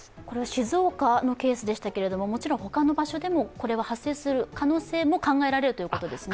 静岡のケースでしたけれどももちろん他の場所でもこれは発生する可能性も考えられるということですね？